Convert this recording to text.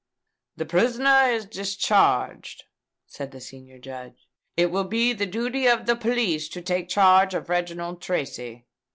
"The prisoner is discharged," said the senior judge. "It will be the duty of the police to take charge of Reginald Tracy."